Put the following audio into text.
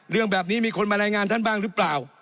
เรื่องแบบนี้มีคนมารายงานท่านบ้างหรือเปล่า